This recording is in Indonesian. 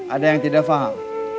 ada yang tidak faham